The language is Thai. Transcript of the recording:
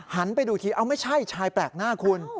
หันไปดูทีอ้าวไม่ใช่ชายแปลกหน้าคุณ